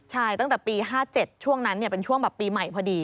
ใช่ตั้งแต่ปี๕๗ช่วงนั้นเป็นช่วงแบบปีใหม่พอดี